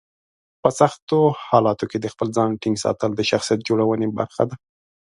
په سختو حالاتو کې د خپل ځان ټینګ ساتل د شخصیت جوړونې برخه ده.